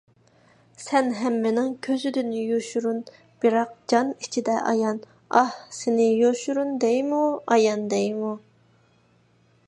سەن ھەممىنىڭ كۆزىدىن يوشۇرۇن، بىراق جان ئىچىدە ئايان، ئاھ، سېنى يوشۇرۇن دەيمۇ، ئايان دەيمۇ؟